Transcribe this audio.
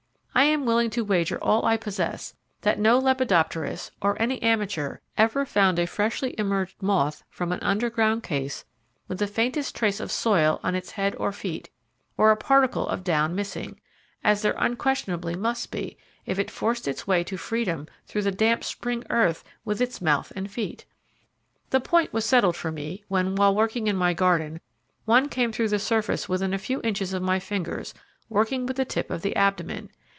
I am willing to wager all I possess, that no lepidopterist, or any amateur, ever found a freshly emerged moth from an underground case with the faintest trace of soil on its head or feet, or a particle of down missing; as there unquestionably must be, if it forced its way to freedom through the damp spring earth with its mouth and feet. The point was settled for me when, while working in my garden, one came through the surface within a few inches of my fingers, working with the tip of the abdomen.